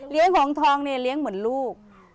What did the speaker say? เลี้ยงหงษ์ทองเนี่ยเลี้ยงเหมือนลูก